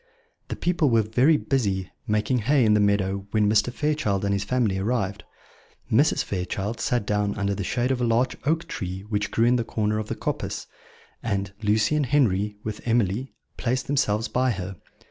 The people were very busy making hay in the meadow when Mr. Fairchild and his family arrived. Mrs. Fairchild sat down under the shade of a large oak tree which grew in the corner of the coppice, and Lucy and Henry, with Emily, placed themselves by her.